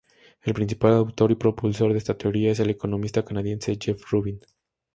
El principal autor y propulsor de esta teoría es el economista canadiense Jeff Rubin.